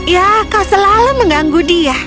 ya kau selalu mengganggu dia